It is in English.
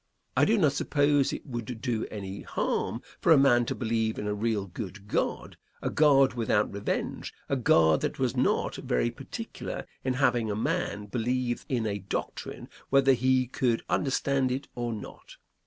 I do not suppose it would do any harm for a man to believe in a real good God, a God without revenge, a God that was not very particular in having a man believe a doctrine whether he could understand it or not.